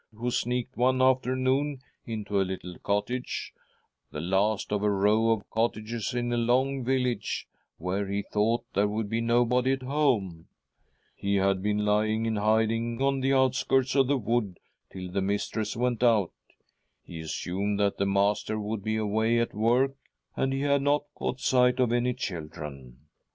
u... .,.■ 148 THY SOUL SHALL BEAR WITNESS ! sneaked one afternoon into a little cottage — the last of a row of cottages in a long village^ where he thought there would be nobody at home ? He had been lying in hiding, on the outskirts of the wood, till the mistress went out — he assumed that the master would be away at work, and he had not caught sight of any children.